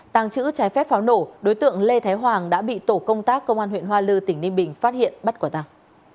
tàng trữ trái phép pháo nổ đối tượng lê thái hoàng đã bị tổ công tác công an huyện hoa lư tỉnh ninh bình phát hiện bắt quả tàng